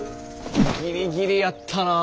ギリギリやったなぁ。